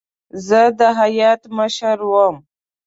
زه د هیات مشر وم.